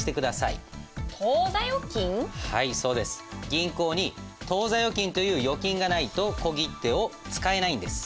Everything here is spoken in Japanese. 銀行に当座預金という預金がないと小切手を使えないんです。